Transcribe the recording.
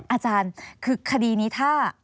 อาจารย์คือคดีนี้ถ้า